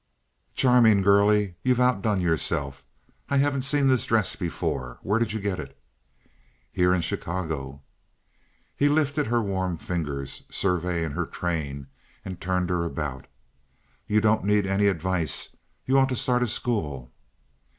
"Charming, girlie. You've outdone yourself. I haven't seen this dress before. Where did you get it?" "Here in Chicago." He lifted her warm fingers, surveying her train, and turned her about. "You don't need any advice. You ought to start a school."